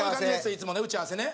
いつもね打ち合わせね。